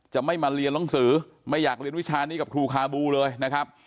จะไม่มาเรียนหนังสือไม่อยากเรียนวิชานี้กับครูคาบูเลยนะครับ